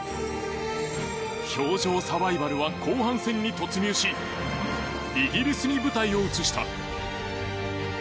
氷上サバイバルは後半戦に突入しイギリスに舞台を移した。